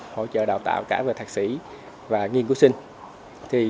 hỗ trợ đào tạo cả về thạc sĩ và nghiên cứu sinh